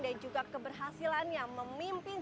dan juga keberhasilan yang memimpin